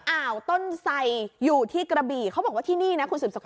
อ่าวต้นไสอยู่ที่กระบี่เขาบอกว่าที่นี่นะคุณสืบสกุ